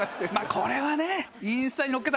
これはね